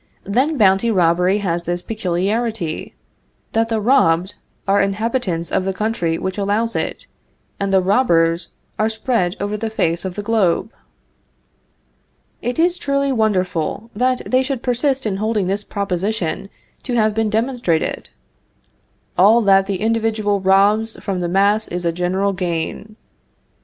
Then bounty robbery has this peculiarity, that the robbed are inhabitants of the country which allows it, and the robbers are spread over the face of the globe. It is truly wonderful that they should persist in holding this proposition to have been demonstrated: _All that the individual robs from the mass is a general gain.